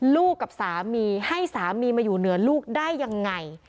กับสามีให้สามีมาอยู่เหนือลูกได้ยังไง